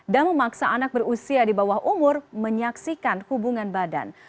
dan memaksa anak berusia di bawah umur menyaksikan hubungan badan